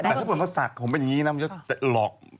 ได้ไม่ต้องไปสักให้ใครอีก